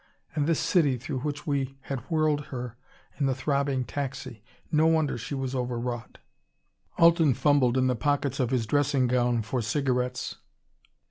And this city through which we had whirled her in the throbbing taxi no wonder she was overwrought. Alten fumbled in the pockets of his dressing gown for cigarettes.